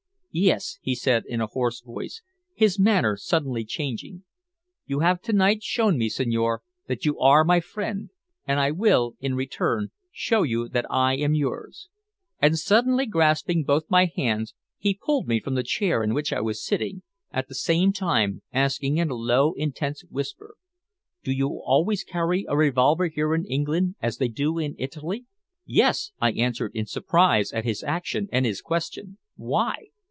"Yes," he said in a hoarse voice, his manner suddenly changing. "You have to night shown me, signore, that you are my friend, and I will, in return, show you that I am yours." And suddenly grasping both my hands, he pulled me from the chair in which I was sitting, at the same time asking in a low intense whisper: "Do you always carry a revolver here in England, as you do in Italy?" "Yes," I answered in surprise at his action and his question. "Why?"